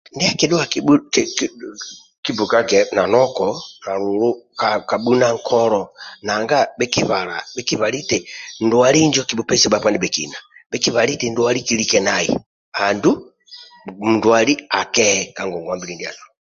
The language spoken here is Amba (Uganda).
Ndia akidhuwa kibhu ki kibumage nanoko na lulu ka bhuna nkolo nanga bhikibala bhikibhali eti ndwali kibhupesie bhakpa ndibhekina bhikibhali eti ndwali kilike nai andulu ndwali akehe ka ngongwa mbili ndiasu